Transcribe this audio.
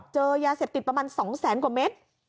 เจอยาเสพติดประมาณ๒แสนกว่าเม็ด